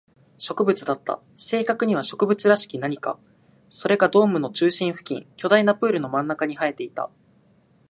植物だった。正確には植物らしき何か。それがドームの中心付近、巨大なプールの真ん中に生えていた。